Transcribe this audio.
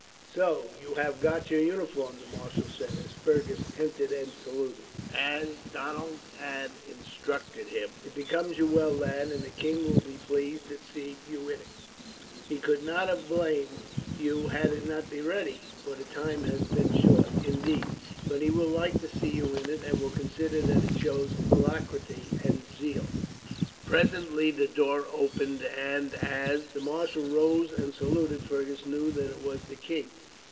"So you have got your uniform," the marshal said, as Fergus entered and saluted, as Donald had instructed him. "It becomes you well, lad, and the king will be pleased at seeing you in it. He could not have blamed you had it not been ready, for the time has been short, indeed; but he will like to see you in it, and will consider that it shows alacrity and zeal." Presently the door opened and, as the marshal rose and saluted, Fergus knew that it was the king.